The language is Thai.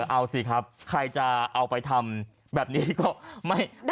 เอาสิครับใครจะเอาไปทำแบบนี้ก็ไม่